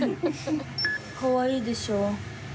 かわいいでしょう？